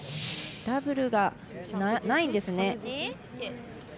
ダブルがないんですね。